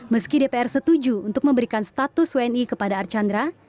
meski dpr setuju untuk memberikan status wni kepada archandra